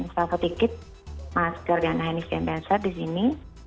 sampai saat itu kami diberikan masker dan handis yang besar di sini